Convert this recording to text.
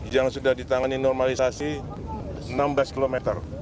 yang sudah ditangani normalisasi enam belas km